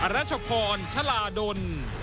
รัชพรชลาดล